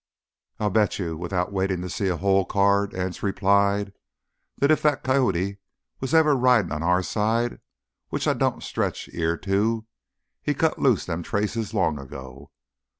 "I'll bet you without waitin' to see a hole card," Anse replied, "that if that coyote was ever ridin' on our side—which I don't stretch ear to—he cut loose them traces long ago.